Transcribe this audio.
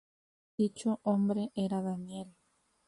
Dicho hombre era Daniel.